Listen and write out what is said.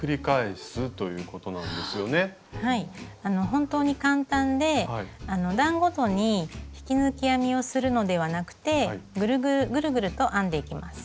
ほんとに簡単で段ごとに引き抜き編みをするのではなくてぐるぐると編んでいきます。